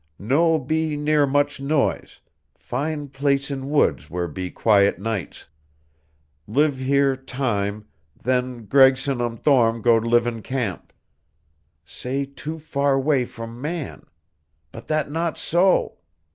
"No be near much noise fine place in woods where be quiet nights. Live here time then Gregson um Thorne go live in camp. Say too far 'way from man. But that not so.